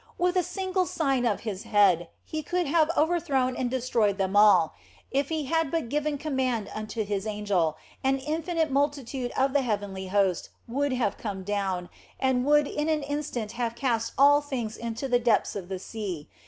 With a single sign of His head He could have overthrown and destroyed them all ; if He had but given command unto His angel, an infinite multitude of the heavenly 58 THE BLESSED ANGELA host would have come down, and would in an instant have cast all things into the depths of the sea.